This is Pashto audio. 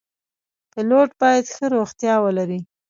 پیلوټ باید ښه روغتیا ولري.